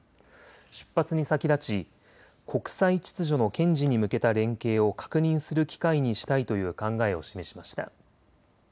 出発に先立ち国際秩序の堅持に向けた連携を確認する機会にしたいという考えを示しました。